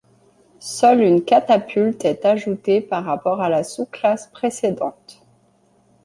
Seule une catapulte est ajoutée par rapport à la sous-classe précédente.